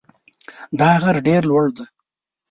دا غر ډېر لوړ دی.